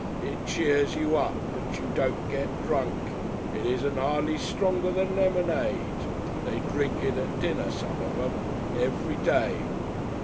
It cheers you up, but you don't get drunk. It isn't hardly stronger than lemonade. They drink it at dinner, some of 'em, every day."